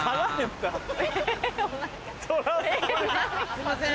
すいません！